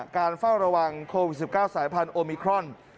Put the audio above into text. เฝ้าระวังโควิด๑๙สายพันธุมิครอน